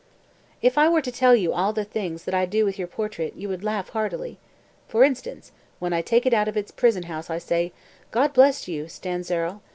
196. "If I were to tell you all the things that I do with your portrait, you would laugh heartily. For instance when I take it out of its prison house I say 'God bless you, Stanzerl!